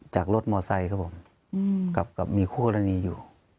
จากรถมอไซค์ครับผมกับมีคู่กรณีอยู่